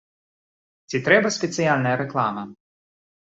Ці трэба спецыяльная рэклама?